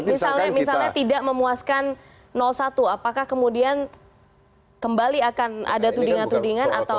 dan begini misalnya tidak memuaskan satu apakah kemudian kembali akan ada tudingan tudingan atau